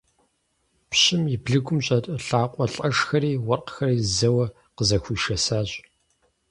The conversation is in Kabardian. Пщым и блыгум щӀэт лӀакъуэлӀэшхэри уэркъхэри зэуэ къызэхуишэсащ.